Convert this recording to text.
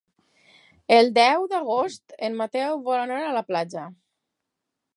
El deu d'agost en Mateu vol anar a la platja.